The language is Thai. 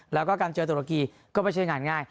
แล้วก็การเจอตุรกีก็ไม่ใช่งานง่าย